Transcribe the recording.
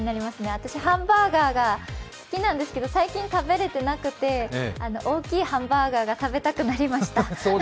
私、ハンバーガーが好きなんですけど、最近食べれてなくて、大きいハンバーガーが食べたくなりました。